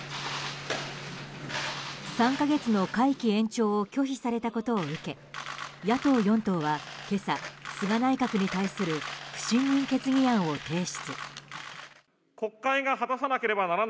３か月の会期延長を拒否されたことを受け野党４党は今朝、菅内閣に対する不信任決議案を提出。